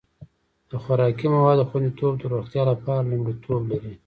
د خوراکي موادو خوندیتوب د روغتیا لپاره لومړیتوب لري.